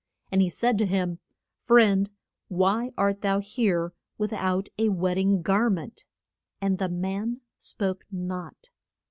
And he said to him, Friend, why art thou here with out a wed ding gar ment. And the man spoke not.